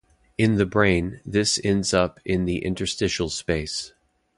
In the brain, this ends up in the interstitial space.